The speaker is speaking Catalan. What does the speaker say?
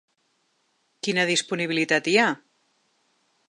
Quina disponibilitat hi ha?